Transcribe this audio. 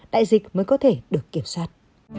đại dịch mới có thể được kiểm soát